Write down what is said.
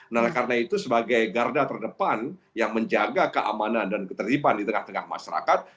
nah karena itu sebagai garda terdepan yang menjaga keamanan dan ketertiban di tengah tengah masyarakat